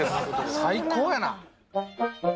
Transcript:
最高やな！